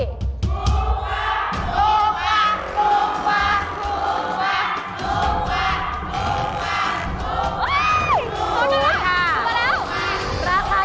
ถูกกว่าถูกกว่าถูกกว่าถูกกว่า